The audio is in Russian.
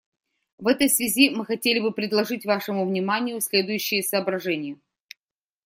В этой связи мы хотели бы предложить вашему вниманию следующие соображения.